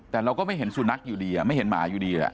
แต่เราก็ไม่เห็นสุนัขอยู่ดีไม่เห็นหมาอยู่ดีแหละ